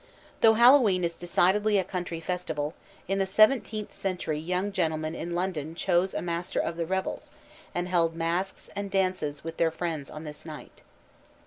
_ Though Hallowe'en is decidedly a country festival, in the seventeenth century young gentlemen in London chose a Master of the Revels, and held masques and dances with their friends on this night.